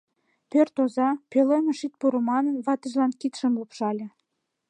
Пӧрт оза, пӧлемыш ит пуро манын, ватыжлан кидшым лупшале.